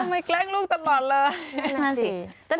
ไม่แกล้งลูกตลอดเลย